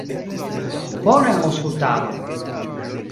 Bonan aŭskultadon!